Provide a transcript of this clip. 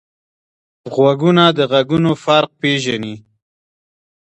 غوږونه د غږونو فرق پېژني